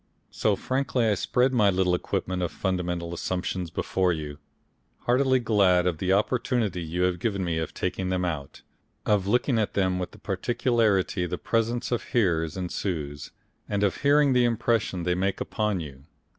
So frankly I spread my little equipment of fundamental assumptions before you, heartily glad of the opportunity you have given me of taking them out, of looking at them with the particularity the presence of hearers ensures, and of hearing the impression they make upon you.